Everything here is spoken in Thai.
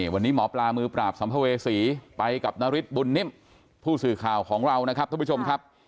วันนี้หมอปลามือปราบสัมภเวษีไปกับนาริสบุญนิ่มผู้สื่อข่าวของเรานะครับท่านผู้ชมครับ